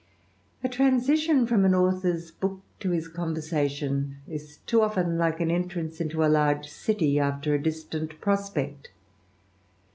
A transition from an author's book to his conversati< too often like an entrance into a large city, after a d prospect.